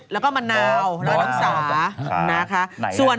ละล้องสาว